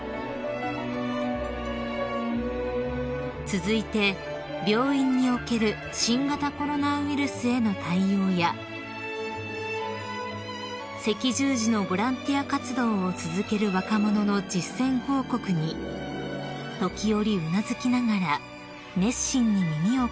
［続いて病院における新型コロナウイルスへの対応や赤十字のボランティア活動を続ける若者の実践報告に時折うなずきながら熱心に耳を傾けられ］